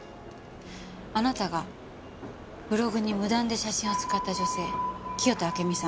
あなたがブログに無断で写真を使った女性清田暁美さん